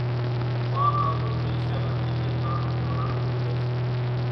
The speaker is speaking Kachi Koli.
ماڻۿان زو پئيشا نٿي ۮيتان تو رنگ ريڙي سي